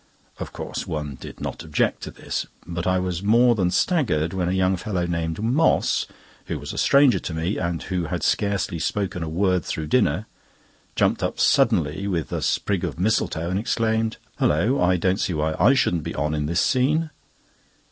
Of course one did not object to this; but I was more than staggered when a young fellow named Moss, who was a stranger to me, and who had scarcely spoken a word through dinner, jumped up suddenly with a sprig of misletoe, and exclaimed: "Hulloh! I don't see why I shouldn't be on in this scene."